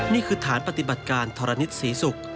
นี่คือฐานปฏิบัติการธรณิชย์ศรีสุข